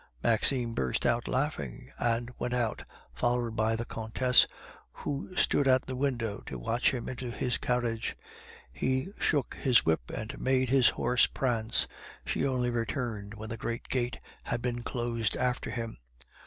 Maxime burst out laughing, and went out, followed by the Countess, who stood at the window to watch him into his carriage; he shook his whip, and made his horse prance. She only returned when the great gate had been closed after him.